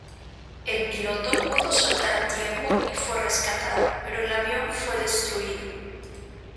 El piloto pudo saltar a tiempo y fue rescatado, pero el avión fue destruido.